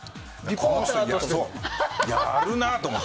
この人、やるなと思って。